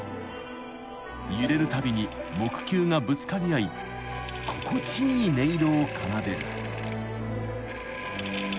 ［揺れるたびに木球がぶつかり合い心地いい音色を奏でる］